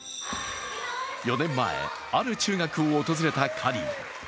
４年前、ある中学を訪れたカリー。